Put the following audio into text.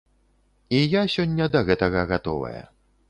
І я сёння да гэтага гатовая.